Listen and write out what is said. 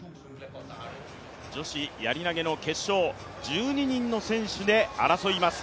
女子やり投の決勝１５人の選手で争います。